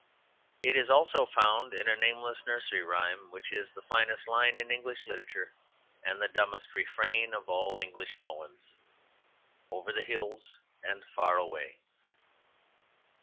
It is also found in a nameless nursery rhyme which is the finest line in English literature and the dumb refrain of all English poems "Over the hills and far away."